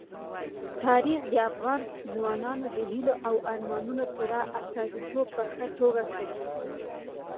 تاریخ د افغان ځوانانو د هیلو او ارمانونو پوره استازیتوب په ښه توګه کوي.